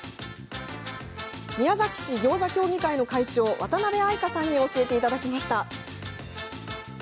宮崎市ぎょうざ協議会の会長渡辺愛香さんに教えていただきました。